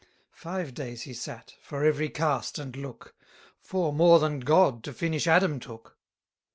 Five days he sate, for every cast and look Four more than God to finish Adam took.